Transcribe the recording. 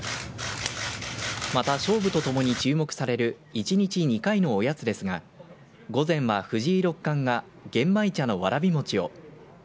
また勝負とともに注目される１日２回のおやつですが午前は藤井六冠が玄米茶のわらび餅を。